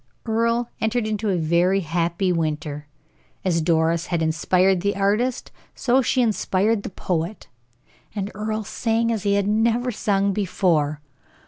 Earle entered into a very happy winter. As Doris had inspired the artist so she inspired the poet; and Earle sang as he had never sung before.